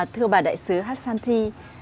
thưa bà đại sứ ashanti